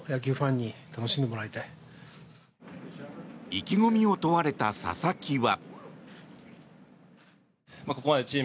意気込みを問われた佐々木は。